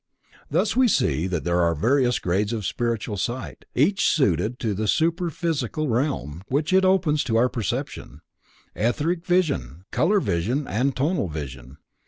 Thus we see that there are various grades of spiritual sight, each suited to the superphysical realm which it opens to our perception: Etheric vision, color vision and tonal vision.